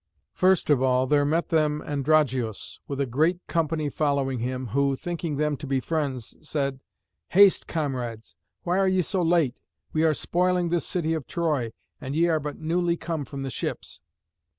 First of all there met them Androgeos with a great company following him, who, thinking them to be friends, said, "Haste, comrades, why are ye so late? We are spoiling this city of Troy, and ye are but newly come from the ships."